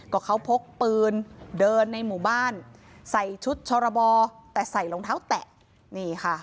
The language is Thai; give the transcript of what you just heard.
ก็เขาพกปืนเดินในหมู่บ้านใส่ชุดชรบอแต่ใส่รองเท้าแตะนี่ค่ะ